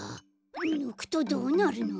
ぬくとどうなるの？